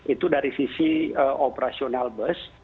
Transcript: itu dari sisi operasional bus